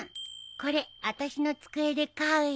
これあたしの机で飼うよ。